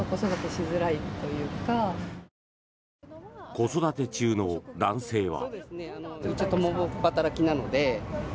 子育て中の男性は。